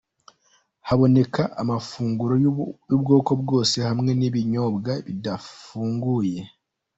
Haboneka amafunguro y'ubwoko bwose hamwe n'ibinyobwa bidafunguye.